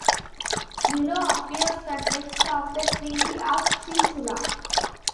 Below appears the text of the Treaty of Sinchula.